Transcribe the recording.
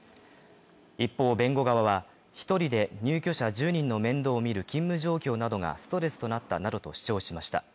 一方、弁護側は１人で入居者１０人の面倒を見る勤務状況などがストレスとなったなどと主張しました。